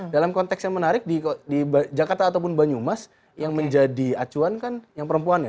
dalam konteks yang menarik di jakarta ataupun banyumas yang menjadi acuan kan yang perempuan ya